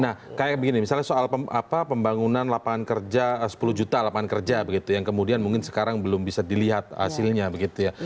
nah kayak begini misalnya soal pembangunan lapangan kerja sepuluh juta lapangan kerja begitu yang kemudian mungkin sekarang belum bisa dilihat hasilnya begitu ya